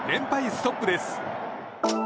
ストップです。